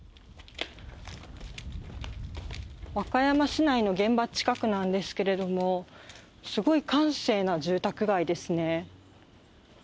和歌山市内の現場近くなんですけれどもすごい閑静な住宅街ですね。